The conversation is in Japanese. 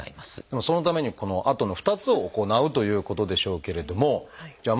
でもそのためにこのあとの２つを行うということでしょうけれどもじゃ